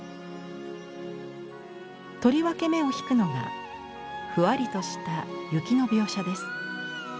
とりわけ目を引くのがふわりとした雪の描写です。